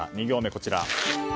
２行目こちら。